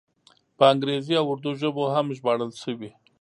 په انګریزي او اردو ژبو هم ژباړل شوی.